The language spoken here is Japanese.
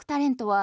は